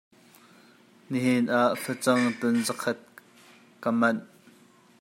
Nihin ah facang tun zakhat ka manh.